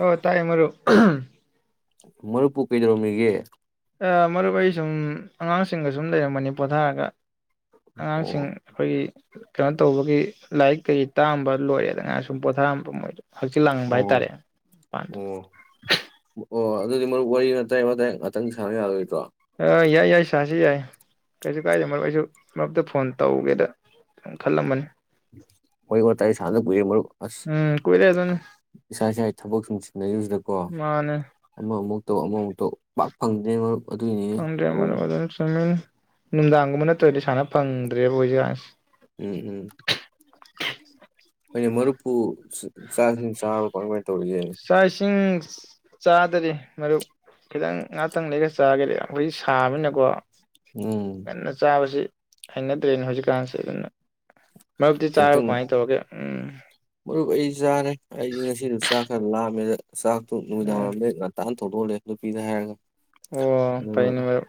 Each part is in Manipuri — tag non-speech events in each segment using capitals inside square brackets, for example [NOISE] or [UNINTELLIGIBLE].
ꯑꯣ ꯇꯥꯏ ꯃꯔꯄ ꯃꯔꯨꯞꯄꯨ ꯀꯩꯗ꯭ꯔꯣꯃꯤꯒꯦ ꯑꯥ ꯃꯔꯨꯞ ꯑꯩ ꯁꯨꯝ ꯑꯉꯥꯡꯁꯤꯡꯒ ꯁꯨꯝ ꯂꯩꯔꯝꯕꯅꯤ ꯄꯣꯊꯥꯔꯒ ꯑꯉꯥꯡꯁꯤꯡ ꯑꯣ ꯑꯩꯈꯣꯏꯒꯤ ꯀꯩꯅꯣ ꯇꯧꯕꯒꯤ ꯂꯥꯏꯔꯤꯛ ꯀꯩ ꯇꯥꯛꯑꯝꯕ ꯂꯣꯏꯔꯦ ꯑꯗꯨꯗ ꯉꯥꯏꯅ ꯁꯨꯝ ꯄꯣꯊꯥꯔꯝꯕ ꯃꯣꯏꯗꯣ ꯍꯛꯆꯤꯠ ꯂꯥꯡꯕ ꯍꯥꯏꯇꯥꯔꯦ ꯑꯣ ꯃꯄꯥꯟꯗ ꯑꯣ ꯑꯣ ꯑꯗꯨꯗꯤ ꯃꯔꯨꯞ ꯋꯥꯔꯤ ꯋꯥꯇꯥꯏ ꯋꯥꯇꯥꯏ ꯉꯥꯛꯇꯪ ꯁꯥꯡꯅ ꯌꯥꯔꯣꯏꯗ꯭ꯔꯣ ꯑꯥ ꯌꯥꯏ ꯌꯥꯏ ꯁꯥꯁꯤ ꯌꯥꯏ ꯀꯩꯁꯨ ꯀꯥꯏꯗꯦ ꯃꯔꯨꯞ ꯑꯩꯁꯨ ꯃꯔꯛꯇ ꯐꯣꯟ ꯇꯧꯒꯦꯗ ꯈꯜꯂꯝꯕꯅꯤ ꯋꯥꯔꯤ ꯋꯥꯇꯥꯏ ꯁꯥꯅꯗ ꯀꯏꯔꯦ ꯃꯔꯨꯞ ꯑꯁ ꯎꯝ ꯀꯨꯏꯔꯦ ꯑꯗꯨꯅꯤ ꯏꯁꯥ ꯏꯁꯥꯒꯤ ꯊꯕꯛ ꯁꯨꯝ ꯁꯤꯗꯩꯩ ꯁꯤꯗꯀꯣ ꯃꯥꯅꯦ ꯑꯃ ꯑꯃꯨꯛ ꯇꯧ ꯑꯃꯃꯨꯛ ꯑꯣ ꯄꯥꯛ ꯐꯪꯗꯔꯦ ꯉꯣ ꯈꯪꯗꯔꯦ ꯃꯔꯨꯞ ꯑꯗꯨꯅꯤ ꯆꯨꯨꯝꯃꯤꯅꯦ ꯅꯨꯡꯗꯥꯡꯒꯨꯝꯕꯅ ꯇꯣꯏꯂꯦꯠ ꯁꯥꯟꯅ ꯐꯪꯗ꯭ꯔꯦꯕ ꯍꯣꯖꯤꯀꯟꯁꯤ ꯎꯝ ꯎꯝ ꯍꯣꯏꯅꯦ ꯃꯔꯨꯞꯄꯨ ꯆꯥꯛ [UNINTELLIGIBLE] ꯆꯥꯔꯕ ꯀꯥꯃꯥꯏ ꯀꯃꯥꯏ ꯇꯧꯔꯤꯒꯦ ꯆꯥꯛ ꯏꯁꯤꯡ ꯆꯥ ꯗꯔꯤ ꯃꯔꯨꯞ ꯈꯤꯇꯪ ꯉꯥꯛꯇꯪ ꯂꯩꯒ ꯆꯥꯒꯦꯗ ꯍꯧꯖꯤꯛ ꯁꯥꯕꯅꯤꯅꯀꯣ ꯎꯝ ꯉꯥꯟ ꯆꯥꯕꯁꯤ ꯑꯩꯅꯗꯔꯦꯅꯦ ꯍꯧꯖꯤꯛꯀꯥꯟꯁꯤ ꯑꯗꯨꯅ ꯃꯔꯨꯞꯇꯤ ꯆꯥꯔꯕ ꯊꯦꯡꯊꯪ ꯀꯃꯥꯏꯅ ꯇꯧꯔꯒꯦ ꯎꯝ ꯃꯔꯨꯞ ꯑꯩ ꯆꯥꯔꯦ ꯑꯩꯗꯤ ꯉꯁꯤꯗꯨ ꯆꯥꯛ ꯈꯔ ꯂꯥꯝꯃꯦꯗ ꯆꯛꯇꯨ ꯅꯨꯃꯤꯗꯥꯪ ꯎꯝ ꯋꯥꯏꯔꯝꯗꯩꯩ ꯅꯍꯥꯟꯇꯟ [UNINTELLIGIBLE] ꯅꯨꯄꯤꯅꯤ ꯍꯥꯏꯔꯒ ꯑꯣ ꯑꯗꯨꯒ ꯄꯩꯅꯦ ꯃꯔꯨꯞ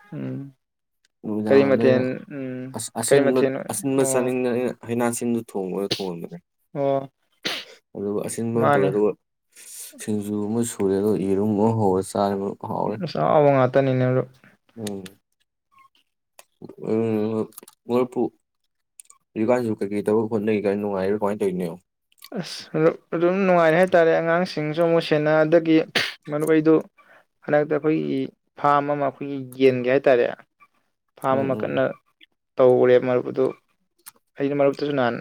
ꯅꯨꯃꯤꯗꯥꯡ ꯀꯔꯤ ꯋꯥꯏꯔꯝꯗ ꯑꯩꯅ ꯃꯊꯦꯜ ꯎꯝ ꯑꯁꯤꯕ ꯀꯔꯤ ꯃꯊꯦꯜ ꯑꯁꯤꯟꯕ ꯑꯣ ꯆꯥꯅꯤꯡꯗꯅ ꯑꯩꯅ ꯍꯩꯅꯥꯁꯤꯟꯗꯨ ꯊꯣꯡ ꯉꯣꯗ ꯊꯣꯡꯍꯅꯕꯅꯦ ꯑꯣ ꯑꯗꯨꯒ ꯑꯁꯤꯟꯕ ꯑꯃ ꯇꯧꯔꯦ ꯃꯥꯅꯦ ꯑꯗꯨꯒ ꯁꯤꯡꯖꯨ ꯑꯃ ꯁꯨꯔꯦ ꯑꯗꯨꯒ ꯏꯔꯨꯝ ꯍꯧꯔ ꯆ ꯆꯔꯦ ꯃꯔꯨꯞ ꯍꯥꯎꯔꯦ ꯄꯅꯤꯅ ꯃꯔꯨꯞ ꯑꯣ ꯃꯔꯨꯞꯄꯨ ꯍꯧꯖꯤꯛꯀꯥꯟꯁꯦ ꯀꯩꯀꯩ ꯇꯧꯔ ꯍꯣꯠꯅꯔꯤ ꯀꯥꯏꯅ ꯅꯨꯡꯉꯥꯏꯔ ꯀꯃꯥꯏꯅ ꯇꯧꯔꯤꯅꯣ ꯑꯁ ꯑꯗꯨꯝ ꯅꯨꯡꯉꯥꯏꯔꯦ ꯍꯥꯏ ꯇꯥꯔꯦ ꯑꯉꯥꯡꯁꯤꯡꯁꯨ ꯑꯃꯨꯛ ꯁꯦꯟꯅ ꯑꯗꯒꯤ ꯃꯔꯨꯞ ꯑꯩꯗꯨ ꯍꯟꯗꯛꯇ ꯑꯩꯈꯣꯏꯒꯤ ꯐꯥꯝ ꯑꯃ ꯑꯩꯈꯣꯏꯒꯤ ꯌꯦꯟꯒꯤ ꯍꯥꯏ ꯇꯥꯔꯦ ꯐꯥꯝ ꯎꯝ ꯑꯃ ꯎꯝ ꯀꯟꯅ ꯇꯧꯔꯦ ꯃꯔꯨꯞ ꯑꯗꯨ ꯑꯩꯅ ꯃꯔꯨꯞꯇꯁꯨ ꯅꯍꯥꯟ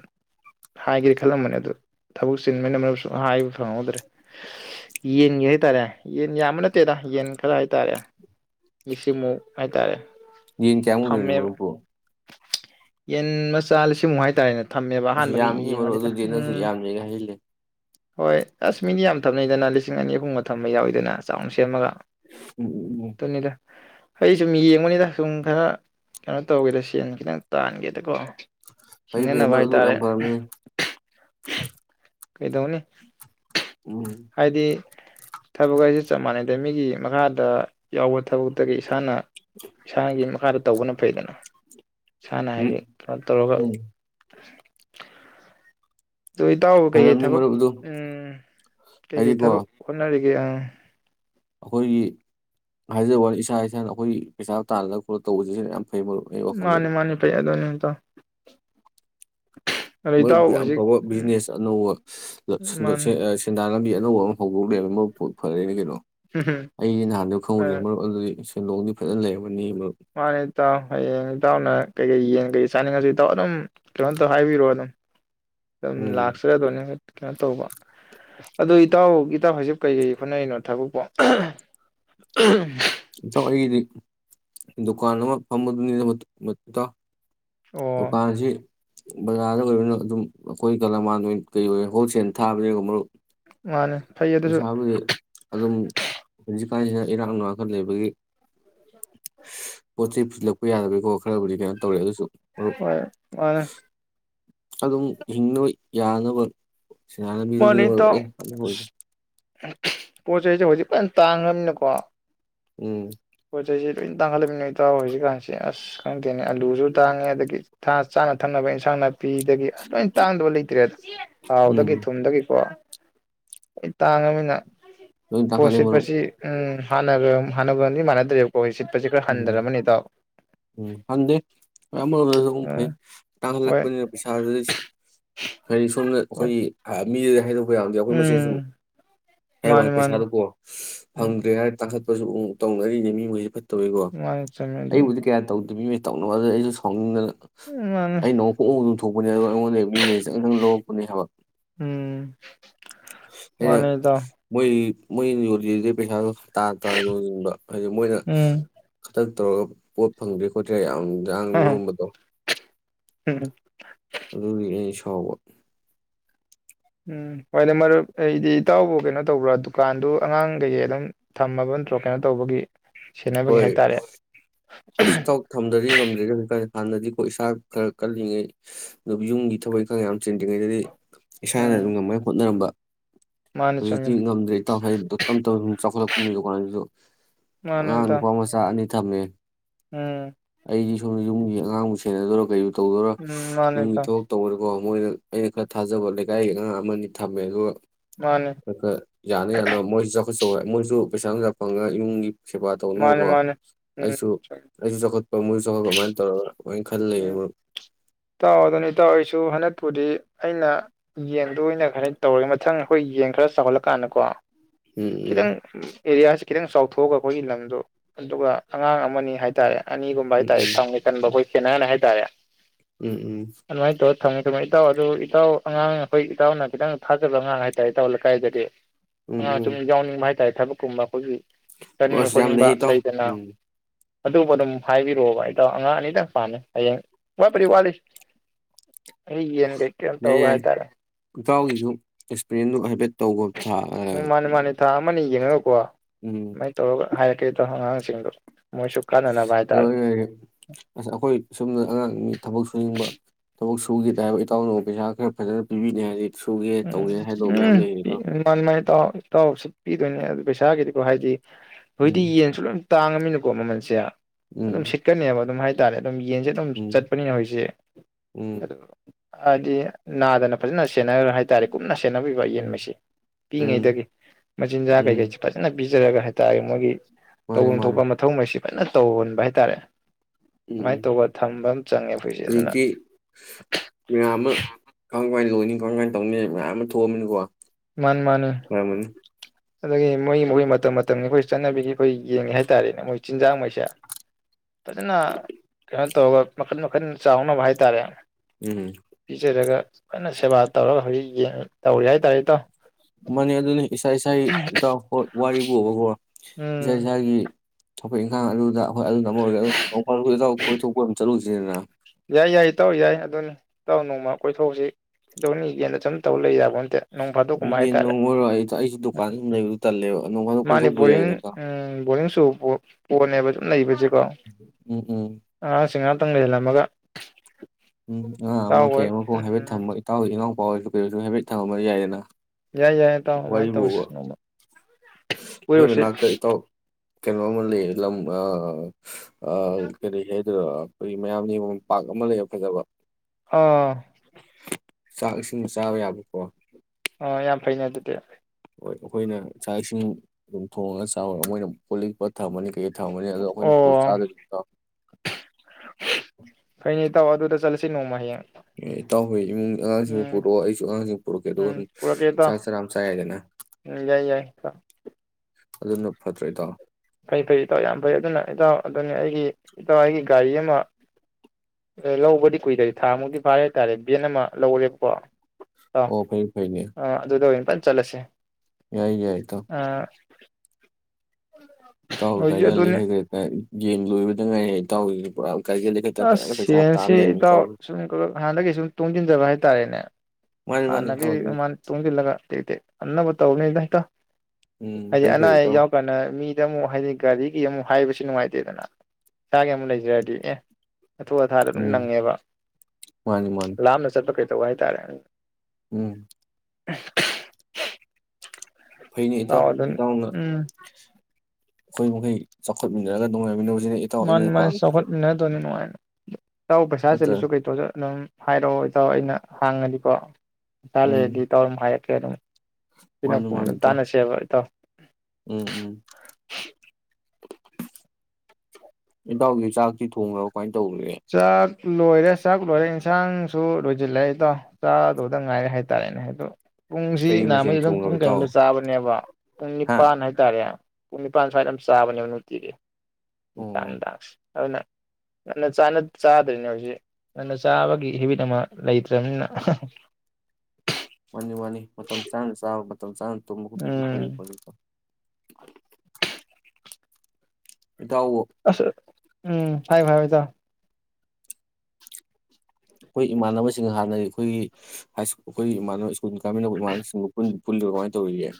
ꯍꯥꯏꯒꯦ ꯈꯜꯂꯝꯕꯅꯦ ꯑꯗꯨ ꯊꯕꯛ ꯆꯤꯟꯕꯅ ꯃꯔꯨꯞꯁꯨ ꯍꯥꯏꯕ ꯐꯪꯍꯧꯗ꯭ꯔꯦ ꯌꯦꯟꯒꯤ ꯍꯥꯏ ꯇꯥꯔꯦ ꯌꯦꯟ ꯌꯥꯝꯕ ꯅꯠꯇꯦꯗ ꯌꯦꯟ ꯈꯔ ꯍꯥꯏ ꯇꯥꯔꯦ ꯂꯤꯁꯤꯡꯃꯨꯛ ꯍꯥꯏ ꯇꯥꯔꯦ ꯌꯦꯟ ꯀꯌꯥꯃꯨꯛ ꯂꯣꯏꯔꯤꯅꯣ ꯃꯔꯨꯞꯄꯨ ꯌꯦꯟ ꯃꯆꯥ ꯂꯤꯁꯤꯡ ꯃꯨꯛ ꯍꯥꯏ ꯇꯥꯔꯦ ꯑꯁ ꯌꯥꯝꯃꯤ ꯃꯔꯨ ꯑꯗꯨꯗꯤ ꯅꯪꯁꯨ ꯌꯥꯝꯗꯧꯒ ꯍꯥꯏꯖꯤꯜꯂꯦ ꯍꯣꯏ ꯑꯁ ꯃꯤꯗꯤ ꯌꯥꯝ ꯊꯝꯅꯩꯗꯅ ꯂꯤꯁꯤꯡ ꯑꯅꯤ ꯑꯍꯨꯝꯒ ꯊꯝꯕ ꯌꯥꯎꯋꯗꯅ ꯆꯥꯎꯅ ꯁꯦꯝꯃꯒ ꯎꯝ ꯎꯝ ꯑꯗꯨꯅꯤꯗ ꯑꯩ ꯁꯨꯝ ꯌꯦꯡꯕꯅꯤꯗ ꯁꯨꯝ ꯈꯔ ꯀꯩꯅꯣ ꯇꯧꯒꯦꯅ ꯁꯦꯟꯒ ꯈꯤꯇꯪ ꯇꯥꯟꯒꯦꯗꯀꯣ ꯐꯩ ꯐꯩ ꯁꯤꯡꯅꯅꯕ ꯃꯔꯨꯞ ꯑꯗꯨ ꯍꯥꯏꯇꯥꯔꯦ ꯌꯥꯝ ꯐꯔꯕꯅꯤ ꯀꯩꯗꯧꯅꯤ ꯎꯝ ꯍꯥꯏꯗꯤ ꯊꯕꯛ ꯍꯥꯏꯁꯦ ꯆꯞ ꯃꯥꯟꯅꯩꯗ ꯃꯤꯒꯤ ꯃꯈꯥꯗ ꯌꯥꯎꯕ ꯊꯕꯛꯇꯒꯤ ꯏꯁꯥꯅ ꯏꯁꯥꯒꯤ ꯈꯥꯗ ꯇꯧꯕꯅ ꯐꯩꯗꯅ ꯏꯁꯥꯅ ꯍꯥꯏꯗꯤ ꯎꯝ ꯀꯩꯅꯣ ꯇꯧꯔꯒ ꯎꯝ ꯑꯗꯨ ꯏꯇꯥꯎꯕ ꯀꯩꯀꯩ ꯐꯔꯕꯅꯤ ꯊꯕꯛ ꯃꯔꯨꯞ ꯑꯗꯨ ꯎꯝ ꯀꯩꯀꯩ ꯍꯥꯏꯗꯤꯀꯣ ꯊꯕꯛ ꯍꯣꯠꯅꯔꯤ ꯀ ꯑ ꯑꯩꯈꯣꯏꯒꯤ ꯍꯥꯏꯖꯕ ꯋꯥꯅꯤ ꯏꯁꯥ ꯏꯁꯥꯅ ꯑꯩꯈꯣꯏꯒꯤ ꯄꯩꯁꯥ ꯇꯥꯟꯅꯅ ꯈꯣ ꯇꯧꯕꯁꯤ ꯁꯤꯅ ꯌꯥꯝ ꯐꯩ ꯃꯔꯨꯞ ꯑꯩ ꯋꯥꯈꯜꯗꯗꯤ ꯃꯥꯅꯤ ꯃꯥꯅꯤ ꯄꯩꯁꯥ ꯑꯗꯨꯅꯤ ꯗ ꯃꯔꯨꯞꯄꯨ ꯌꯥꯝ ꯐꯕ ꯕꯤꯖꯤꯅꯦꯁ ꯑꯅꯧꯕ ꯃꯥꯅꯤ ꯁꯦꯟꯗꯥꯟ ꯂꯝꯕꯤ ꯑꯅꯧꯕ ꯑꯃ ꯍꯧꯗꯣꯛꯅꯦꯕ ꯃꯔꯨꯞꯄꯨ ꯐꯔꯦꯅꯦ ꯀꯩꯅꯣ ꯑꯩꯗꯤ ꯅꯍꯥꯟꯗꯨ ꯈꯪꯍꯧꯗ꯭ꯔꯦ ꯃꯔꯨꯞ ꯑꯗꯨꯗꯤ ꯁꯥꯟꯗꯣꯡꯗꯤ ꯐꯖꯅ ꯂꯩꯔꯝ ꯃꯥꯥꯅꯦ ꯏꯇꯥꯎ ꯍꯌꯦꯡ ꯆꯥꯎꯅ ꯀꯩꯀꯩ ꯌꯦꯡꯉꯒꯩ ꯆꯥꯅꯤꯡꯉꯁꯤ ꯇ ꯑꯗꯨꯝ ꯀꯩꯅꯣꯝ ꯇꯧ ꯍꯥꯏꯕꯤꯔꯣ ꯑꯗꯨꯝ ꯑꯗꯨꯝ ꯎꯝ ꯂꯥꯛꯁꯤꯔꯗꯣꯅꯦ ꯀꯩꯅꯣ ꯇꯧꯕ ꯑꯗꯣ ꯏꯇꯥꯎ ꯏꯇꯥꯎ ꯍꯥꯏꯁꯦ ꯀꯩ ꯀꯩ ꯍꯣꯠꯅꯔꯤꯅꯣ ꯊꯕꯛꯄꯣ ꯏꯇꯥꯎ ꯑꯩꯒꯤꯗꯤ ꯗꯨꯀꯥꯟ ꯑꯃ ꯐꯝꯕꯗꯨꯅꯤꯗ ꯏꯇꯥꯎ ꯑꯣ ꯗꯨꯀꯥꯟꯁꯤ ꯕꯖꯥꯔꯗ ꯑꯣꯏꯕꯅ ꯑꯗꯨꯝ ꯑꯩꯈꯣꯏ ꯀꯂꯥꯃꯥꯟ ꯋꯣꯏ ꯀꯩ ꯑꯣꯏ ꯍꯣꯜꯁꯦꯜ ꯊꯥꯕꯅꯦ ꯃꯔꯨꯞ ꯃꯥꯅꯦ ꯐꯩ ꯑꯗꯨꯁꯨ ꯄꯩꯁꯥꯕꯨꯗꯤ ꯑꯗꯨꯝ ꯇꯥꯏꯦ ꯏꯔꯥꯡꯅ ꯋꯥꯈꯜ ꯂꯩꯕꯒꯤ ꯄꯣꯠ ꯆꯩ ꯄꯨꯜꯂꯛꯄ ꯌꯥꯗꯕꯒꯤꯀꯣ ꯈꯔꯕꯨꯗꯤ ꯀꯩꯅꯣ ꯇꯧꯔꯦ ꯑꯗꯨꯁꯨ ꯃꯔꯨꯞ ꯍ ꯃꯥꯅ ꯑꯗꯨꯝ ꯍꯤꯡꯅꯕ ꯌꯥꯅꯕ ꯁꯅꯖꯒꯤ ꯃꯥꯅꯦ ꯏꯇꯥꯎ ꯑꯦ ꯄꯣꯠ ꯆꯩꯁꯦ ꯍꯧꯖꯤꯛ ꯐꯅ ꯇꯥꯡꯈ꯭ꯔꯕꯅꯤꯅꯀꯣ ꯎꯝ ꯄꯣꯠꯆꯩꯁꯤ ꯂꯣꯏꯅ ꯇꯥꯡꯈꯠꯂꯃꯤꯅ ꯏꯇꯔꯣ ꯍꯧꯖꯤꯛꯀꯥꯟꯁꯤꯦ ꯑꯁ ꯈꯪꯗꯦꯅꯦ ꯑꯂꯨꯁꯨ ꯇꯥꯡꯉꯦ ꯑꯗꯒꯤ ꯊ ꯆꯥꯅ ꯊꯛꯅꯕ ꯏꯟꯁꯥꯡꯅ ꯐꯄꯤꯤꯗꯒꯤ ꯑꯁ ꯂꯥꯏꯅ ꯇꯥꯡꯗꯕ ꯂꯩꯇ꯭ꯔꯦꯗ ꯍꯥꯎꯗꯒꯤ ꯎꯝ ꯊꯨꯝꯗꯒꯤꯀꯣ ꯑꯩ ꯇꯥꯡꯉꯃꯤꯅ ꯂꯣꯏ ꯇꯥꯡꯈꯠꯂꯦ ꯄꯣꯁꯤ ꯃꯔꯨꯞ ꯄꯁꯤ ꯎꯝ ꯍꯅꯒ ꯍꯅꯒꯨꯝ ꯃꯅꯦꯗꯔꯛꯣꯏꯁꯤ ꯎꯝ ꯎꯝ ꯐꯪꯗꯦ ꯃꯌꯥꯝ ꯃꯔꯗꯁꯨ ꯑꯗꯨ ꯐꯩ ꯎꯝ ꯍꯣꯏ ꯇꯥꯡꯍꯜꯂꯛꯄꯅꯤꯅ ꯄꯩꯁꯥꯁꯤꯗꯤ ꯍꯥꯏꯗꯤ ꯁꯣꯝꯅ ꯍꯣꯏ ꯑꯩꯈꯣꯏꯒꯤ ꯃꯤꯦ ꯑꯩꯈꯣꯏ ꯌꯥꯝꯁꯦ ꯑꯩꯈꯣꯏ ꯃꯁꯦ ꯁꯨꯝ ꯎꯝ ꯌꯥꯏ ꯃꯥꯅꯤ ꯋꯥꯏ ꯃꯥꯅꯤ ꯄꯩꯁꯥꯗꯀꯣ ꯎꯝ ꯐꯪꯗ꯭ꯔꯦ ꯍꯥꯏꯅ ꯇꯥꯡꯈꯠ ꯎ ꯇꯧꯅꯔꯤꯅꯦꯦ ꯃꯤꯈꯣꯏꯁꯦ ꯐ ꯇꯧꯋꯤꯀꯣ ꯃꯥꯅꯤ ꯆꯨꯝꯃꯦ ꯑꯗꯨꯅꯤ ꯑꯩꯕꯨꯗꯤ ꯀꯌꯥ ꯇꯧꯗꯕꯤ ꯇꯧꯅꯕꯗ ꯑꯩꯁꯨ ꯁꯥꯎꯅꯤꯡꯗꯅ ꯎꯝ ꯃꯥꯅꯤ ꯑꯩꯅ ꯑꯃꯣꯡꯛ ꯄꯣꯛꯍ ꯑꯗꯨꯝꯊꯣꯛꯄꯅꯦ ꯑꯗꯨꯒ ꯑꯩꯉꯣꯟꯗ ꯃꯤ ꯃꯔꯤ ꯆꯪ ꯆꯪ ꯂꯧꯔꯛꯄꯅꯦ ꯍꯥꯏꯕ ꯎꯝ ꯑꯩꯅ ꯃꯥꯅꯤ ꯏꯇꯥꯎ ꯃꯣꯏ ꯃꯣꯏꯅꯤꯔꯤ ꯄꯩꯁꯥ ꯇꯥ ꯇꯥꯔꯤꯡꯕ ꯍꯥꯏꯗꯤ ꯃꯣꯏꯅ ꯎꯝ ꯈꯇꯪ ꯇꯧꯔꯒ ꯄꯣꯠ ꯐꯪꯗ꯭ꯔꯦ ꯈꯣꯠꯇ꯭ꯔꯦ ꯌꯥꯝ ꯌꯥꯥꯡ ꯂꯕꯗꯣ ꯍꯝ ꯑꯗꯨ ꯑꯩ ꯁꯕꯜ ꯎꯝ ꯍꯣꯏꯗꯤ ꯃꯔꯨꯞ ꯑꯩꯗꯤ ꯏꯇꯥꯎꯕ ꯀꯩꯅꯣ ꯇꯧꯕ꯭ꯔꯥ ꯗꯨꯀꯥꯟꯗꯨ ꯑꯉꯥꯡ ꯀꯩꯀꯩ ꯑꯗꯨꯝ ꯊꯝꯃꯕ ꯅꯠꯇ꯭ꯔꯣ ꯀꯩꯅꯣ ꯇꯧꯕꯒꯤ ꯁꯤꯟꯅꯕꯒꯤ ꯍꯥꯏꯇꯥꯔꯦ ꯑꯁꯇꯥꯎ ꯊꯝꯗꯔꯤ ꯉꯝꯗꯔꯤ ꯍꯥꯟꯅꯗꯤꯀꯣ ꯏꯁꯥ ꯈꯔ ꯀꯜꯂꯤꯉꯩ ꯑꯗꯨ ꯌꯨꯝꯒꯤ ꯊꯕꯛ ꯈꯔ ꯌꯥꯝ ꯆꯦꯟꯗ꯭ꯔꯤꯉꯩꯗꯗꯤ ꯏꯁꯥꯅ ꯑꯗꯨꯝ ꯎꯝ ꯉꯝꯃꯥꯏ ꯍꯣꯠꯅꯔꯝꯕ ꯃꯥꯅꯤ ꯍꯧꯖꯤꯛꯇꯤ ꯆꯨꯝꯃꯤ ꯉꯝꯗ꯭ꯔꯦ ꯇꯧꯈꯩ ꯇ ꯆꯥꯎꯈꯠꯂꯛꯄ ꯑ ꯗꯣꯛꯥꯟꯁꯨ ꯃꯥꯅꯤ ꯑ ꯏꯇꯥꯎ ꯀꯃꯣꯁ ꯑꯅꯤ ꯊꯝꯃꯦ ꯎꯝ ꯑꯩꯗꯤ ꯁꯣꯝꯗ ꯌꯨꯝꯒꯤ ꯑꯉꯥꯡꯁꯨ ꯁꯦꯅꯗꯣ ꯀꯩ ꯇꯧꯗꯔꯥ ꯎꯝ ꯃꯥꯅꯤ ꯇꯨꯝꯒꯤ ꯏꯇꯥꯎ ꯊꯕꯛ ꯇꯧꯔꯦꯀꯣ ꯃꯣꯏꯗ ꯑꯩꯅ ꯈꯔ ꯊꯥꯖꯕ ꯂꯩꯀꯥꯏꯒꯤ ꯉꯥꯡ ꯑꯃꯅꯤ ꯊꯝꯃꯦ ꯑꯗꯨꯒ ꯃꯥꯅꯤ ꯌꯥꯅ ꯌꯥꯅꯣ ꯃꯣꯏ ꯆꯦ ꯃꯣꯏꯁꯨ ꯄꯩꯁꯥ ꯅꯨꯡꯁꯥ ꯐꯪꯉꯒ ꯌꯨꯝꯒꯤ ꯁꯤꯕꯥ ꯇꯧꯅ ꯃꯥꯅꯤ ꯀꯣ ꯃꯥꯅꯤ ꯎꯝ ꯑꯩꯁꯨ ꯆꯨꯝꯃꯤ ꯑꯩꯁꯨ ꯆꯈꯠ ꯃꯣꯏꯁꯨ ꯁꯍꯛ ꯏꯃꯥꯟ ꯇꯔꯔ ꯎꯝ ꯇ ꯑꯗꯨꯅꯤ ꯇ ꯑꯣꯏꯁꯨ ꯍꯅ ꯄꯨꯗꯤ ꯑꯩꯅ ꯌꯦꯟꯗ ꯑꯣꯏꯅ ꯈꯔ ꯇꯧꯔꯒꯦ ꯃꯊꯪ ꯑꯩꯈꯣꯏ ꯌꯦꯟ ꯈꯔ ꯆꯥꯎꯈꯠꯂꯛꯀꯥꯟꯗꯀꯣ ꯎꯝ ꯎꯝ ꯈꯤꯇꯪ ꯑꯦꯔꯤꯌꯥꯁꯤ ꯈꯤꯇꯪ ꯆꯥꯎꯊꯣꯛꯑꯒ ꯑꯩꯈꯣꯏꯒꯤ ꯂꯝꯗꯣ ꯑꯗꯨꯒ ꯑꯉꯥꯡ ꯑꯃꯅꯤ ꯍꯥꯏꯇꯥꯔꯦ ꯑꯅꯤꯒꯨꯝꯕ ꯎꯝ ꯎꯝ ꯍꯥꯏꯇꯥꯔꯦꯩ ꯀꯟꯕꯣꯏ ꯅꯍꯥꯟꯅ ꯍꯥꯏꯇꯥꯔꯦ ꯎꯝ ꯎꯝ ꯊ ꯁ ꯏꯇꯥꯎ ꯑꯗꯨ ꯏꯇꯥꯎ ꯑꯉꯥꯡ ꯑꯩꯈꯣꯏ ꯏꯇꯥꯎꯅ ꯈꯤꯇꯪ ꯊꯥꯖꯕ ꯑꯉꯥꯡ ꯍꯥꯏꯇꯥꯔꯦꯇꯥꯎ ꯂꯩꯀꯥꯏꯗꯗꯤ ꯑ ꯎꯝ ꯎꯝ ꯌꯥꯡꯎ ꯃꯥꯥꯏ ꯇ ꯁꯥ ꯄꯨꯝꯃꯅꯥꯈꯁ ꯑꯣ ꯆꯥꯅꯤꯡꯕ ꯑꯁ ꯌꯥꯝ ꯈꯣꯠꯅꯤꯡꯕ ꯂꯩ ꯏꯇꯥꯎ ꯂꯩꯗꯅ ꯎꯝ ꯑꯗꯨꯕꯨ ꯑꯗꯨꯝ ꯍꯥꯏꯕꯤꯔꯛꯑꯣꯕ ꯑꯩꯗꯥꯎ ꯑꯉꯥꯡ ꯑꯅꯤꯗꯪ ꯄꯥꯅꯦ ꯑ ꯋꯥꯄꯔꯤ ꯋꯥꯂꯤꯁ ꯍ ꯌꯦꯟꯕꯦ ꯇ ꯍꯒ ꯍꯥꯏꯇꯥꯔꯦ ꯑꯦꯛꯁꯄꯤꯔꯤꯦꯟꯁꯗꯨ ꯍꯥꯏꯐꯠ ꯇꯧ ꯊꯥ ꯌꯦꯡꯅꯔꯀꯣ ꯎꯝ ꯁꯨꯃꯥꯏꯅ ꯇꯧꯔꯒ ꯍꯥꯏꯔꯛꯀꯦꯗ ꯍꯪ ꯆꯁꯤꯡ ꯑꯗꯨ ꯑꯣꯏꯅꯔꯗꯤ ꯑꯁ ꯑꯩꯈꯣꯏ ꯁꯨꯝꯅ ꯑꯉꯥꯡ ꯃꯤ ꯊꯕꯛ ꯁꯨꯅꯤꯡꯕ ꯊꯕꯛ ꯁ ꯁꯨꯈꯤꯦꯗ ꯍꯥꯏꯕ ꯏꯇꯥꯎꯅꯕ ꯄꯩꯁꯥ ꯈꯔ ꯐꯖꯅ ꯄꯤꯕꯤꯅꯤ ꯍꯥꯏꯁꯤꯦ ꯎꯝ ꯎꯝ ꯃꯅꯤ ꯃꯅꯤ ꯏꯇꯥꯎ ꯏꯇꯥꯎꯁꯤ ꯄꯤꯗꯣꯏꯅꯦ ꯑꯗꯨ ꯄꯩꯁꯥꯒꯤꯗꯤꯀꯣ ꯍꯥꯏꯗꯤ ꯍꯣꯏꯗꯤ ꯎꯝ ꯌꯦꯟꯁꯨ ꯇꯥꯡꯉ ꯃꯤꯅꯀꯣ ꯃꯃꯜꯁꯦ ꯑꯗꯨꯝ ꯎꯝ ꯁꯤꯀꯅꯤꯕ ꯑꯗꯨꯝ ꯍꯥꯏ ꯇꯔꯦꯠ [INAUDIBLE] ꯑꯗꯨꯝ ꯌꯦꯟꯁꯦ ꯑꯗꯨꯝ ꯎꯝ ꯆꯠꯄꯅꯤꯅ ꯍꯧꯖꯤꯣꯏꯁꯦ ꯎꯝ ꯑꯗꯨ ꯍꯥꯏꯗꯤ ꯅꯥꯗꯅ ꯐꯖꯅ ꯁꯦꯟꯅ ꯏꯔꯦ ꯀꯨꯞꯅ ꯁꯦꯟꯅꯕꯤꯕ ꯌꯦꯟ ꯎꯝ ꯃꯁꯦ ꯎꯝ ꯄꯤꯏꯉꯩꯗꯒꯤ ꯃꯆꯤꯟꯖꯥꯛ ꯎꯝ ꯀꯩꯀꯩꯁ ꯐꯖꯅ ꯖꯔꯒ ꯍꯥꯏꯇꯥꯔꯦ ꯃꯣꯏꯒꯤ ꯃꯥꯅꯦ ꯇꯧꯐꯝ ꯃꯥꯅꯦ ꯊꯣꯛꯄ ꯃꯊꯧ ꯑꯁꯤ ꯑꯁꯤ ꯐꯖꯅ ꯇꯧꯍꯟꯕ ꯍꯥꯏꯇꯥꯔꯦ ꯎꯝ ꯑꯗꯨꯨꯃꯥꯏꯅ ꯎꯝ. ꯇꯧꯕ ꯊꯝꯕ ꯑꯃ ꯆꯪꯉꯦ ꯑꯩꯈꯣꯏꯁꯦ ꯑꯗꯨꯅ ꯍꯧꯖꯤꯛꯇꯤ ꯃꯌꯥꯝ ꯑꯃ ꯀꯔꯝ ꯀꯥꯏꯅ ꯂꯣꯏꯅꯤ ꯀꯃꯝ ꯀꯥꯏꯅ ꯇꯧꯅꯤ ꯃꯌꯥꯝ ꯑꯃ ꯊꯣꯛꯑꯅꯤꯀꯣ ꯃꯥꯟ ꯃꯥꯅꯦ ꯑꯗꯒꯤ ꯃꯣꯏ ꯃꯈꯣꯏ ꯃꯇꯝ ꯃꯇꯝꯒꯤ ꯑꯩꯈꯣꯏ ꯆꯠꯅꯕꯤꯒꯤ ꯑꯩꯈꯣꯏ ꯌꯦꯡꯉꯦ ꯍꯥꯏꯇꯥꯥꯔꯦꯅꯦ ꯃꯣꯏ ꯆꯤꯟꯖꯥꯛꯈꯩꯁꯦ ꯇꯗꯅ ꯀ ꯇꯧꯔꯒ ꯃꯈꯟ ꯃꯈꯟ ꯆꯥꯎꯅꯕ ꯍꯥꯏꯇꯥꯔꯦ ꯎꯝ ꯄꯤꯆꯦꯖꯒ ꯂꯣꯏꯅ ꯁꯦꯕꯥ ꯇꯧꯔꯒ ꯍꯧꯖꯤꯛꯡ ꯇꯧꯔꯤ ꯍꯥꯏꯇꯥꯔꯦ ꯏꯇꯣ ꯃꯅꯤ ꯑꯗꯨꯅꯤ ꯏꯁꯥ ꯏꯁꯥꯒꯤꯇ ꯋꯥꯔꯤꯔꯤꯕꯕꯀꯣ ꯏꯁꯥ ꯎꯝ ꯏꯁꯥꯒꯤ ꯑꯣꯄꯛ ꯏꯪꯈꯥꯡ ꯑꯗꯨꯗ ꯍ ꯑꯗꯨ ꯅꯃꯔꯒ ꯀꯣꯏ ꯊꯣꯛ ꯆꯠꯨꯁꯤꯗꯅ ꯌꯥꯏ ꯌꯥꯏ ꯇꯧ ꯌꯥꯏ ꯑꯗꯨꯅꯤ ꯇꯧ ꯅꯣꯡꯃ ꯀꯣꯏꯊꯣꯛꯎꯁꯤ ꯀꯩꯗꯧꯅꯤꯒꯦꯅ ꯁꯨꯝ ꯇꯧ ꯂꯩ ꯌꯥꯕꯣ ꯑꯩꯁ ꯅꯪ ꯑꯣꯏꯔꯣ ꯑꯩ ꯑꯩꯁꯨ ꯗꯨꯀꯥꯟ ꯑꯗꯨ ꯂꯩꯕꯗꯨ ꯇꯜꯂꯦꯕ ꯅꯣꯡꯀꯥꯟꯗ ꯃꯥꯅꯦ ꯀꯣꯏꯊꯣꯛꯄ ꯌꯥꯏ ꯅꯗ ꯐꯣꯟꯅꯦꯕꯕꯦ ꯣ ꯎꯝ ꯑ ꯁꯤꯉ ꯈꯤꯇꯪ ꯂꯩꯜꯂꯝꯃꯒ ꯎꯝ ꯑꯥ ꯑꯃ ꯀꯩ ꯍꯣꯏ ꯑꯃꯈꯥꯎ ꯍꯥꯏꯐꯦꯠ ꯎꯝ ꯊꯝꯕ ꯏꯇꯥꯎ ꯏꯅꯥꯎ ꯄꯥꯎꯁꯨ ꯀꯩꯁꯨ ꯍꯥꯏꯦꯐꯠ ꯊꯝꯃꯝꯃꯗꯤ ꯌꯥꯏꯗꯅ ꯌꯥꯏ ꯌꯥꯏ ꯏꯇꯥꯎ ꯋꯥꯔꯤ ꯑꯗꯨꯃꯥꯏꯅ ꯇꯧꯁꯤ ꯐꯥꯎꯕ ꯅꯣꯡꯃ ꯑꯩꯈꯣꯏ ꯀꯣꯏꯔꯨꯁꯤ ꯃꯅꯥꯛꯇ ꯏꯇꯥꯎ ꯀꯩꯅꯣ ꯑꯃ ꯂꯩ ꯂꯝ ꯑ ꯈꯔꯤ ꯍꯥꯏ꯭ꯔꯣ ꯑꯩꯈꯣꯏꯒꯤ ꯃꯌꯥꯝ ꯌꯦꯡ ꯄꯥꯛ ꯑꯃ ꯂꯩꯕ ꯐꯖꯕ ꯑꯥ ꯆꯥꯛ ꯏꯁꯤꯡ ꯆꯥꯕ ꯌꯥꯕꯀꯣ ꯑꯣ ꯌꯥꯝ ꯐꯩꯅꯦ ꯑꯗꯨꯗꯤ ꯍꯣꯏ ꯑꯩꯈꯣꯏꯅ ꯆꯥꯛ ꯏꯁꯤꯡ ꯑꯗꯨꯝ ꯊꯣꯡꯉꯒ ꯆꯥꯎꯋ ꯃꯣꯏꯅ ꯄꯣꯂꯤꯛꯄꯣ ꯊꯝꯃꯅꯤ ꯀꯩꯀꯩ ꯊꯝꯃꯅꯤ ꯑꯗꯣ ꯑꯩꯈꯣꯏꯅ ꯄꯨ ꯑꯣ ꯆꯥꯗꯕꯤꯗꯣ ꯋꯥ ꯑꯗꯨꯗ ꯆꯂꯁꯤ ꯅꯣꯡꯃ ꯍꯦ ꯏꯇꯥꯎꯍ ꯏꯃꯨꯡ ꯑꯉꯥꯡꯁꯤꯡꯗ ꯄꯨꯔꯛꯑꯣ ꯑꯩꯁꯨ ꯑꯉꯥꯡꯁꯤꯡ ꯄꯨꯔꯛꯀꯦ ꯑꯗꯨꯒ ꯎꯝ ꯁꯝ ꯄꯨꯔꯛꯀꯦ ꯏꯇꯥꯎ ꯆꯥꯛ ꯆꯔꯥ ꯆꯥꯏꯗꯅ ꯑ ꯑꯗꯨꯅ ꯐꯠꯇ꯭ꯔꯩꯗꯥꯎ ꯐꯩ ꯐꯩ ꯏꯇꯥꯎ ꯌꯥꯝ ꯐꯩ ꯑꯗꯨꯅ ꯏꯇꯥꯎ ꯑꯗꯨꯅꯤ ꯑꯩꯒꯤ ꯏꯇꯥꯎ ꯑꯩꯒꯤ ꯒꯥꯔꯤ ꯑꯃ ꯂꯧꯕꯗꯤ ꯀꯨꯏꯗꯦ ꯊꯥꯃꯨꯛꯇꯤ ꯐꯥꯔꯦ ꯍꯥꯏꯇꯥꯔꯦ ꯚꯦꯟ ꯑꯃ ꯂꯧꯔꯦꯕꯀꯣ ꯑ ꯑꯣ ꯐꯩ ꯐꯩꯅꯦ ꯑ ꯑꯗꯨꯗ ꯆꯂꯁꯦ ꯌꯥꯏ ꯌꯥꯏꯗ ꯥꯎꯒ ꯍꯧꯖꯤꯛ ꯑꯜ ꯑꯗꯨꯅꯦ ꯍꯦꯒꯇꯥꯦ ꯌꯦꯟ ꯂꯣꯏꯕꯗ ꯉꯥꯏꯔꯦ ꯏꯇꯥꯎꯔꯤ ꯄꯨꯔꯥ ꯒꯥꯔꯤꯒ ꯂꯩꯈꯠꯇꯅ ꯑꯁ ꯐꯖꯅ ꯄꯩꯁꯥ ꯇꯥꯜ ꯁꯦꯟꯁꯤ ꯂꯩꯔꯝꯃꯤ ꯏꯇꯥꯎ ꯏꯇꯥꯎꯁꯦ ꯁꯨꯝ ꯍꯥꯟꯅꯗꯒꯤ ꯁꯨꯝ ꯇꯨꯡꯁꯤꯟꯖꯕ ꯍꯥꯏꯔꯦ ꯇꯔꯦꯅꯦ ꯃꯥꯅꯤ ꯍꯥ ꯃꯥꯅꯤ ꯅꯒꯤ ꯏꯇꯥꯎ ꯑꯗꯨ ꯃꯥꯟ ꯇꯨꯡꯂꯒ ꯇꯇꯦ ꯑꯕ ꯇꯧꯅꯦ ꯅꯥꯏ ꯇ ꯎꯝ ꯍꯥꯏꯗꯤ ꯐꯩ ꯑꯅꯥ ꯐꯩ ꯑꯌꯦꯛ ꯏꯇꯥꯎ ꯌꯥꯎꯔꯀꯥꯟꯗ ꯃꯤꯗ ꯑꯃꯨꯛ ꯍꯥꯏꯗꯤ ꯒꯥꯔꯤꯒꯤ ꯑꯃꯨꯛ ꯍꯥꯏꯕꯁꯤ ꯁꯤ ꯅꯨꯡꯉꯥꯏꯇꯦꯗꯅ ꯆꯥꯒꯦ ꯑꯃꯨꯛ ꯂꯩꯖꯔꯗꯤ ꯑꯦ ꯑꯊꯨ ꯑꯊꯥꯗ ꯑꯗꯨꯝ ꯎꯝ ꯅꯪꯉꯦꯕ ꯃꯥꯅꯤ ꯃꯥꯅꯤ ꯂꯥꯝꯅ ꯆꯠꯄ ꯀꯩ ꯇꯧꯕ ꯍꯥꯏꯇꯥꯔꯦ ꯑꯗꯨ ꯎꯝ [INAUDIBLE] ꯐꯩꯅꯦ ꯏꯇꯥꯎ ꯑꯗꯨꯝ ꯏꯇꯅ ꯎꯝ ꯑꯩꯈꯣꯏ ꯃꯈꯩ ꯆꯥꯎꯈꯠꯃꯤꯟꯅꯔꯒ ꯅꯨꯡꯉꯥꯏꯃꯤꯟꯅ ꯃꯥ ꯃꯥꯅꯤ ꯁꯣꯈꯠ ꯇꯅꯤꯅꯨꯡꯥꯏ ꯇꯎ ꯄꯩꯁꯥ ꯅꯠꯇ꯭ꯔꯥ ꯆꯠꯂꯁꯨ ꯀꯩꯇꯣ ꯅꯪ ꯍꯥꯏꯔꯛꯑꯣ ꯏꯇꯣ ꯑꯩꯅ ꯍꯥꯡꯉꯅꯤꯀꯣ ꯆꯥꯦꯒ ꯎꯝ ꯒꯤꯋꯥꯔ ꯃꯥꯥꯏ ꯀꯦ ꯃꯥꯅꯤ ꯃꯥꯅꯤ ꯀꯅ ꯏꯇꯥꯎ ꯇꯅꯁꯦꯕ ꯏꯇꯎꯒꯤ ꯆꯥꯛꯇꯤ ꯊꯣꯡꯈꯣ ꯀꯃꯥꯏꯅ ꯇꯧꯦ ꯆꯥꯛ ꯂꯣꯏꯔꯦ ꯆꯥꯛ ꯂꯣꯏꯔꯦ ꯏꯟꯁꯥꯡꯁꯨ ꯂꯣꯏꯁꯤꯜꯂꯛꯦꯗꯣ ꯆꯥꯗꯨꯗ ꯉꯥꯏꯔꯦ ꯍꯥꯏꯇꯥꯔꯦꯅꯦ ꯍꯥꯏꯗ ꯄꯨꯡꯁꯤ ꯀꯔꯤ ꯃꯊꯦꯜ ꯅꯍꯥꯟꯋꯥꯩ ꯑꯗꯨꯝ ꯄꯨꯡ ꯊꯣꯡꯈ꯭ꯔꯕ ꯏꯇꯥꯎ ꯀꯩꯅꯣꯝꯗ ꯆꯥꯕꯅꯦꯕ ꯄꯨꯡ ꯍꯥ ꯅꯤꯄꯥꯟ ꯍꯥꯏꯇꯥꯔꯦ ꯄꯨꯡ ꯅꯤꯄꯥꯟ ꯁ꯭ꯋꯥꯏꯅ ꯌꯥꯝ ꯆꯥꯕꯅꯦꯕ ꯅꯨꯡꯇꯤꯒꯤ ꯑꯣ ꯇꯥꯟꯗꯥ ꯑꯗꯨꯅꯦ ꯆꯥꯗ꯭ꯔꯤꯅꯦ ꯍꯧꯖꯤꯛ ꯑꯗꯨꯟꯅ ꯆꯥꯕꯒꯤ ꯍꯦꯕꯤꯠ ꯑꯃ ꯂꯩꯇ꯭ꯔꯕꯅꯤꯅ ꯃꯥꯅꯤ ꯋꯥꯅꯤ ꯃꯇꯝ ꯆꯥꯅ ꯆꯥꯕ ꯇꯖꯅ ꯃꯕꯨ ꯇ ꯐ ꯄꯔ ꯎꯝ ꯇꯨꯝꯕꯥ ꯇꯔꯝ [INAUDIBLE] ꯏꯇꯥꯎꯕꯨ ꯑꯁ ꯎꯝ ꯍꯥꯏꯌꯨ ꯍꯥꯏ ꯇ ꯑꯩꯈꯣꯏ ꯏꯃꯥꯟꯅꯕꯁꯤꯡ ꯍꯥꯟꯅꯗꯤ ꯑꯩꯈꯣꯏꯒꯤ ꯍꯥꯏ ꯑꯩꯈꯣꯏꯒꯤ ꯏꯃꯥꯟꯅꯕ ꯄꯨꯟ ꯀꯥꯃꯤꯟꯅꯕ ꯏꯃꯥꯟꯅꯁꯤꯡꯕꯨ ꯄꯨꯟ ꯄꯨꯜꯗꯨ ꯀꯃꯥꯏꯅ ꯇꯧꯔꯤꯒꯦ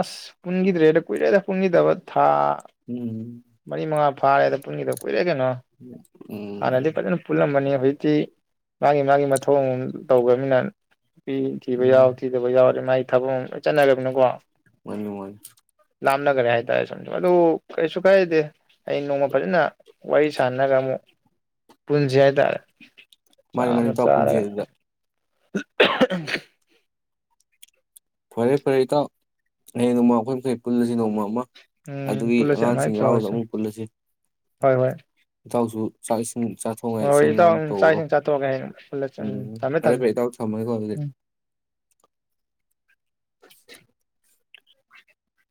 ꯑꯁ ꯄꯨꯟꯈꯤꯗ꯭ꯔꯦꯗ ꯀꯨꯏꯔꯦꯗ ꯄꯨꯟꯈꯤꯗꯕ ꯍꯥꯥ ꯎꯝ ꯃꯅꯤ ꯃꯉ ꯐꯥꯔꯦꯗ ꯄꯨꯗ ꯀꯩꯅꯣ ꯎꯝ ꯅꯗꯤ ꯄꯅ ꯐ ꯄꯨꯜ ꯑꯃꯅꯤ ꯍꯧꯖꯤꯛꯇꯤ ꯃꯥꯒꯤ ꯃꯥꯒꯤ ꯃꯊꯧ ꯑꯃꯝ ꯇꯧꯈ꯭ꯔꯕꯅꯤꯅ ꯄ ꯎꯝ ꯊꯤꯥꯎꯤꯔꯦ ꯊꯕꯛ ꯑꯃ ꯆꯠꯅꯈ꯭ꯔꯕꯅꯀꯣ ꯃꯅꯤ ꯃꯅꯤ ꯂꯥꯝꯅꯒꯔꯦ ꯍꯥꯏꯇꯥꯔꯦ ꯑꯗꯨ ꯀꯩꯁꯨ ꯀꯥꯏꯗꯦ ꯑꯩ ꯅꯣꯡꯃ ꯐꯖꯅ ꯋꯥꯔꯤ ꯁꯥꯟꯅꯒ ꯑꯃꯨꯛ ꯄꯨꯟꯁꯤ ꯍꯥꯏꯇꯥꯔꯦ ꯃꯅꯤ ꯃꯅꯤ ꯇꯄꯨꯨꯝ ꯆꯦꯗꯗ ꯎꯃꯝ ꯍꯨꯛ [INAUDIBLE] ꯐꯔꯦ ꯐꯔꯦ ꯏꯇꯥꯎ ꯍꯌꯦꯡ ꯅꯣꯡꯃ ꯑꯩꯈꯣꯏ ꯃꯈꯩ ꯄꯨꯜꯂꯁꯤ ꯅꯣꯡꯃ ꯑꯃ ꯎꯝ ꯑꯗꯨꯒꯤ ꯄꯨꯜꯂꯁꯦ ꯑꯉꯥꯡꯁꯤꯡ ꯑꯗꯨꯃꯥꯏꯅ ꯌꯥꯥꯎꯁꯨ ꯇꯧꯔꯁꯦ ꯑꯃꯨꯛ ꯄꯨꯜꯂꯁꯤ ꯍꯣꯏ ꯍꯣꯏ ꯏꯇꯥꯎꯁꯨ ꯆꯥꯛ ꯏꯁꯤꯡ ꯆꯥ ꯊꯣꯡꯉꯥꯏ ꯍꯣꯏ ꯍꯣꯏ ꯏꯦꯟ ꯏꯇꯥꯎ ꯂꯥꯡꯃꯨꯛ ꯆꯥꯛ ꯇꯧꯕꯔꯣ ꯏꯁꯤꯡ ꯆꯥꯊꯣꯛꯑꯒ ꯍꯌꯦꯡ ꯄꯨꯜꯂꯁꯦ ꯎꯝ ꯊꯝꯃꯦ ꯐꯔꯦ ꯊꯝꯃꯦ ꯐꯔꯦ ꯏꯇꯥꯎ ꯊꯝꯃꯒꯦꯀꯣ ꯑꯗꯨꯗꯤ ꯎꯝ